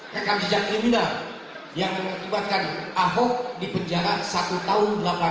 rekam jejak kriminal yang mengibatkan ahok dipenjara satu tahun berapa tahun